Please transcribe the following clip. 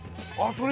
それ